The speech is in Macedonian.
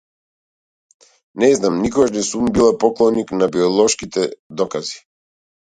Не знам, никогаш не сум била поклоник на биолошките докази.